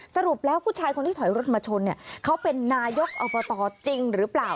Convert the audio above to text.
สรุปแล้วผู้ชายคนที่ถอยรถมาชนเนี่ยเขาเป็นนายกอบตจริงหรือเปล่า